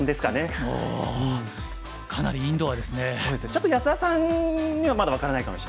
ちょっと安田さんにはまだ分からないかもしれないです。